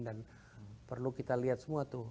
dan perlu kita lihat semua tuh